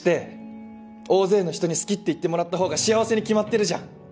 大勢の人に好きって言ってもらったほうが幸せに決まってるじゃん！